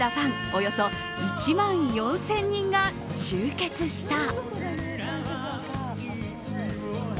およそ１万４０００人が集結した。